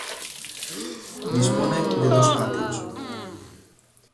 Dispone de dos patios.